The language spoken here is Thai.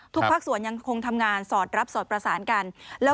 ภาคส่วนยังคงทำงานสอดรับสอดประสานกัน